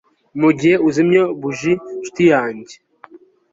Mugihe uzimye buji nshuti yanjye